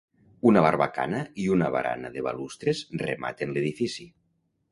Una barbacana i una barana de balustres rematen l'edifici.